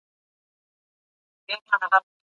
انسان په خپل مال کي واک لري.